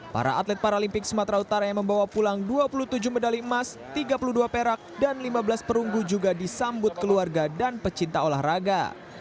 para atlet paralimpik sumatera utara yang membawa pulang dua puluh tujuh medali emas tiga puluh dua perak dan lima belas perunggu juga disambut keluarga dan pecinta olahraga